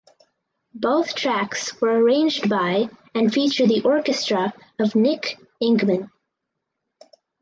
Both tracks were arranged by and feature the orchestra of Nick Ingman.